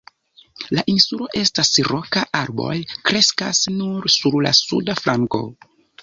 La insulo estas roka, arboj kreskas nur sur la suda flanko.